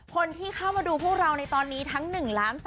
คนที่เข้ามาดูพวกเราในตอนนี้ทั้ง๑ล้าน๓